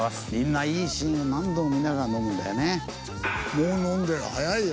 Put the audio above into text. もう飲んでる早いよ。